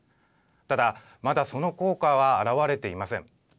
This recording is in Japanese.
ただまだその効果は表れていません。